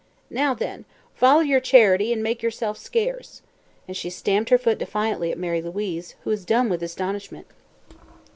"Now, then, foller yer charity an' make yerself scarce!" and she stamped her foot defiantly at Mary Louise, who was dumb with astonishment.